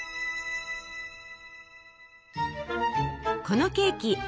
このケーキ